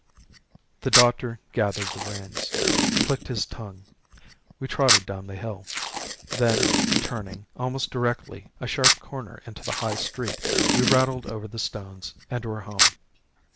The doctor gathered the reins, clicked his tongue; we trotted down the hill. Then turning, almost directly, a sharp corner into the High Street, we rattled over the stones and were home.